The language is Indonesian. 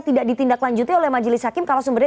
tidak ditindaklanjuti oleh majelis hakim kalau sumbernya